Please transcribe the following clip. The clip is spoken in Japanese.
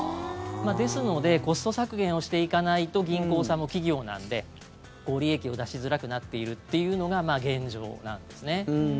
ですのでコスト削減をしていかないと銀行さんも企業なので利益を出しづらくなっているっていうのが現状なんですね。